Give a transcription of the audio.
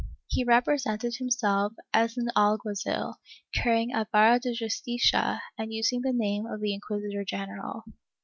He represented himself as an alguazil, carrying a vara de justicia and using the name of the inquisitor general.